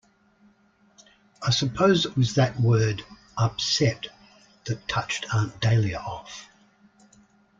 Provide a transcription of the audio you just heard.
I suppose it was that word "upset" that touched Aunt Dahlia off.